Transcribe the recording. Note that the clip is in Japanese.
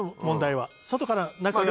問題は外から中。